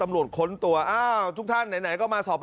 หลอกว่างสอบบ